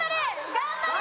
頑張れ！